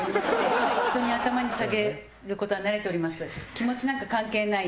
気持ちなんか関係ない。